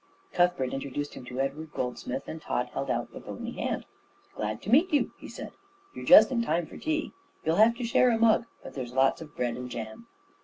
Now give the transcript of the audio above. Cuthbert introduced him to Edward Goldsmith, and Tod held out a bony hand. "Glad to meet you," he said. "You're just in time for tea. You'll have to share a mug, but there's lots of bread and jam."